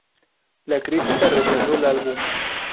La critica rechazó el álbum.